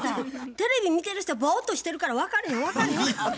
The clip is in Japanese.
テレビ見てる人はボーッとしてるから分からへん分からへん。